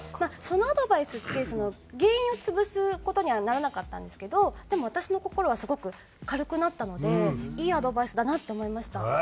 そのアドバイスって原因を潰す事にはならなかったんですけどでも私の心はすごく軽くなったのでいいアドバイスだなって思いました。